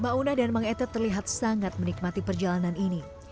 mauna dan mang etet terlihat sangat menikmati perjalanan ini